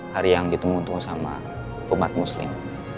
hari yang ditunggu tunggu sama umat muslim